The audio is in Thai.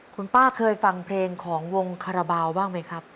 คุณป้าเคยฟังเพลงของวงคาราบาลบ้างไหมครับ